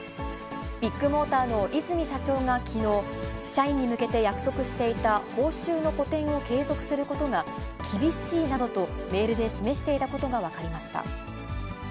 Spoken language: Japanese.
ビッグモーターの和泉社長がきのう、社員に向けて約束していた報酬の補填を継続することが厳しいなどと、メールで示していたことが分かりました。